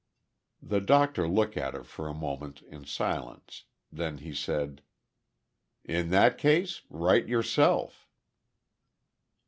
The doctor looked at her for a moment in silence. Then he said: "In that case write yourself."